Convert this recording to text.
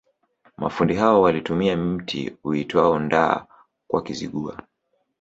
Mafundi hao walitumia mti uitwao ndaa Kwa Kizigua